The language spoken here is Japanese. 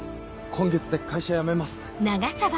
今月で会社辞めます。